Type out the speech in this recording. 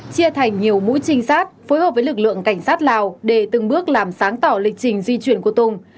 chia thành nhiều mũi trinh sát phối hợp với lực lượng cảnh sát lào để từng bước làm sáng tỏ lịch trình di chuyển của tùng